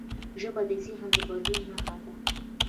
ژبه د ذهن د بدلون نښه ده.